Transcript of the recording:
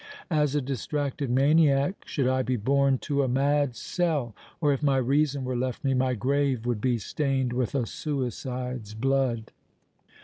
As a distracted maniac should I be borne to a mad cell—or, if my reason were left me, my grave would be stained with a suicide's blood!"